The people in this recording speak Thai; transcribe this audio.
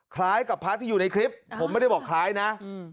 คล้ายกับพระที่อยู่ในคลิปผมไม่ได้บอกคล้ายนะ